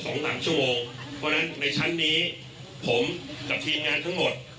สองสามชั่วโมงเพราะฉะนั้นในชั้นนี้ผมกับทีมงานทั้งหมด